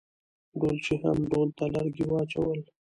ډولچي هم ډول ته لرګي واچول.